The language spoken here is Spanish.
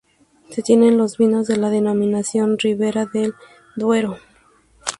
Se tienen los vinos de la denominación Ribera del Duero.